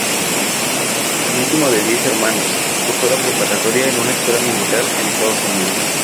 Penúltimo de diez hermanos, cursó la preparatoria en una escuela militar en Estados Unidos.